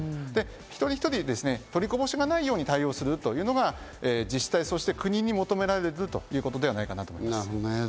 一人一人、取りこぼしがないように対応するというのが自治体、そして国に求められる部分ではないかと思います。